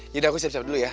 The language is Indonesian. jadi aku siap siap dulu ya